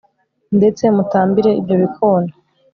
ndetse mutambire ibyo bikona